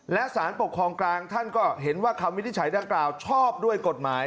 และสารปกครองกลางท่านก็เห็นว่าคำวินิจฉัยดังกล่าวชอบด้วยกฎหมาย